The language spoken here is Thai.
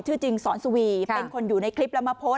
ชื่อจริงสนสวีเป็นคนอยู่ในคลิปลัมพส